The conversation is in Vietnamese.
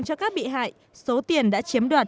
cho các bị hại số tiền đã chiếm đoạt